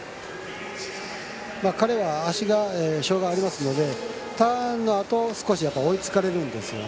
彼は、足が障がいありますのでターンのあと、少し追いつかれるんです。